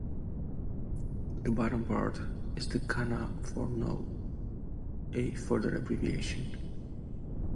The bottom part is the kana for "no", a further abbreviation.